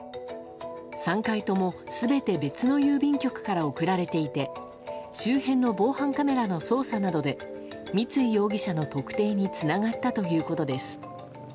３回とも全て別の郵便局から送られていて周辺の防犯カメラの捜査などで三井容疑者の特定につながったということです。